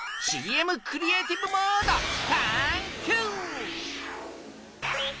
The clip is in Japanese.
ＣＭクリエイティブモード！タンキュー！